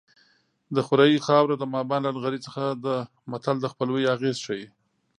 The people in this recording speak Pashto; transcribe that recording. د خوریي خاوره د ماما له نغري څخه ده متل د خپلوۍ اغېز ښيي